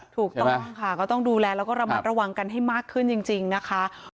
ถูกต้องค่ะก็ต้องดูแลแล้วก็ระมัดระวังกันให้มากขึ้นจริงนะคะ